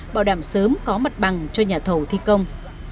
bảo đảm sớm có mặt bằng cho nhà thầu thi công